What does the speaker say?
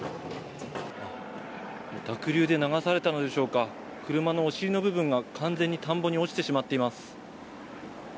濁流で流されたのでしょうか、車のお尻の部分が、完全に田んぼに落ちてしまっています。